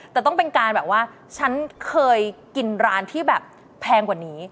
แต่ต้องเป็นการแบบว่าฉันเคยกินร้านที่แบบแพงกว่านี้